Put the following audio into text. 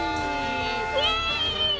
イエイ！